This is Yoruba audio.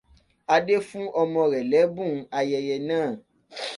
Adé fún ọmọ rẹ̀ lẹ́bùn ayẹyẹ náà.